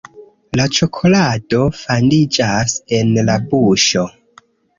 La ĉokolado fandiĝas en la buŝo.